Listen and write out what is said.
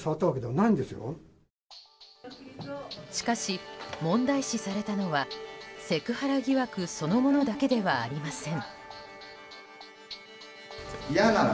しかし問題視されたのはセクハラ疑惑そのものだけではありません。